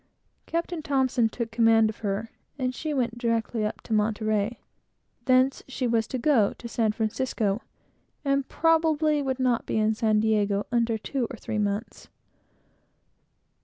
Captain T took command of her, and she went directly up to Monterey; from thence she was to go to San Francisco, and probably would not be in San Diego under two or three months.